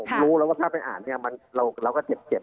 ผมรู้แล้วว่าถ้าไปอ่านเนี่ยเราก็เจ็บ